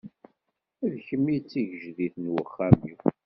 D kemm i d tigejdit n uxxam-iw.